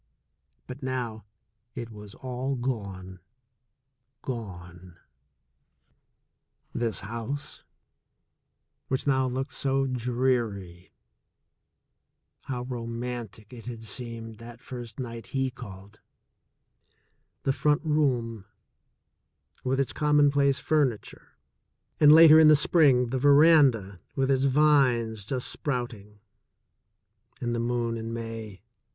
But now it was all gone, gone ! This house, which now looked so dreary — ^how romantic it had seemed that first night he called — the front room with its commonplace furniture, and later in the spring, the veranda, with its vines just sprout ing, and the moon in May.